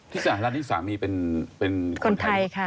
สหรัฐนี่สามีเป็นคนไทยค่ะ